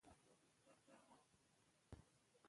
یورانیم د افغانستان د فرهنګي فستیوالونو برخه ده.